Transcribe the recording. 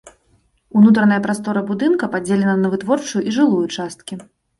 Унутраная прастора будынка падзелена на вытворчую і жылую часткі.